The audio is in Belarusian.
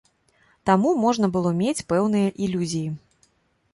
Таму можна было мець пэўныя ілюзіі.